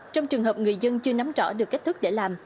trong trường hợp người dân chưa nắm rõ được cách thức để làm